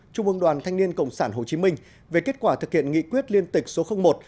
trung ương đoàn thanh niên cộng sản hồ chí minh về kết quả thực hiện nghị quyết liên tịch số một